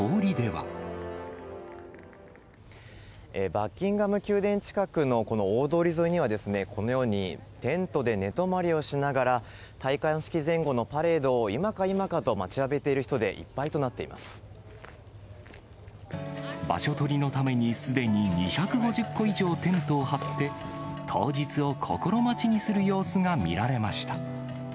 バッキンガム宮殿近くのこの大通り沿いには、このようにテントで寝泊まりをしながら、戴冠式前後のパレードを、今か今かと待ちわびている人でいっぱいとなっ場所取りのために、すでに２５０個以上テントを張って、当日を心待ちにする様子が見られました。